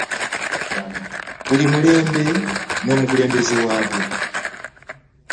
Buli mulembe n'omukulembeze waagwo.